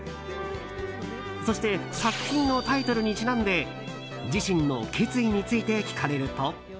そして作品のタイトルにちなんで自身の決意について聞かれると。